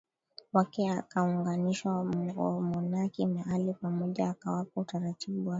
wake akawaunganisha wamonaki mahali pamoja akawapa utaratibu wa